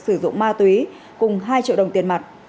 sử dụng ma túy cùng hai triệu đồng tiền mặt